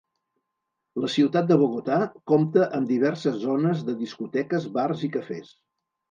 La ciutat de Bogotà compta amb diverses zones de discoteques, bars i cafès.